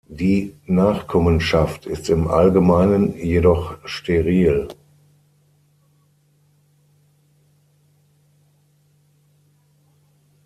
Die Nachkommenschaft ist im Allgemeinen jedoch steril.